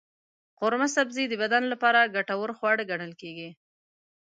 قورمه سبزي د بدن لپاره ګټور خواړه ګڼل کېږي.